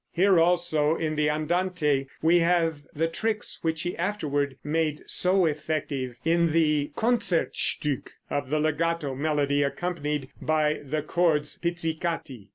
Here also, in the Andante we have the tricks which he afterward made so effective in the Concertstück, of the legato melody accompanied by chords pizzicati.